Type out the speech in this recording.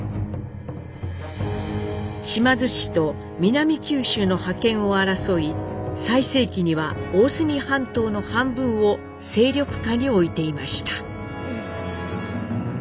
島津氏と南九州の覇権を争い最盛期には大隅半島の半分を勢力下に置いていました。